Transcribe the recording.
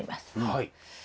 はい。